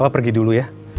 papa pergi dulu ya